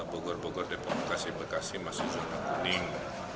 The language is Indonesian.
bogor bogor depok bekasi masih sudah kuning